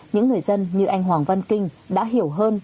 những người dân như anh hoàng văn kinh đã hiểu hơn